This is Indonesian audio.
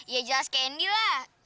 ya jelas candy lah